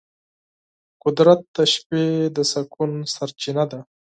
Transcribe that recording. قدرت د شپې د سکون سرچینه ده.